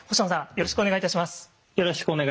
よろしくお願いします。